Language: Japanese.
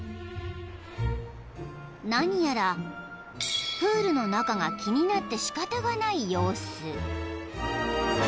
［何やらプールの中が気になってしかたがない様子］